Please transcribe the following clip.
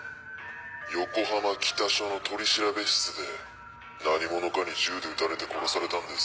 横浜北署の取調室で何者かに銃で撃たれて殺されたんです。